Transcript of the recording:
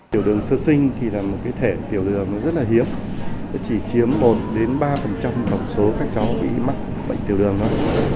tiểu đường sơ sinh thì là một cái thể tiểu đường rất là hiếm nó chỉ chiếm một ba tổng số các cháu bị mắc bệnh tiểu đường thôi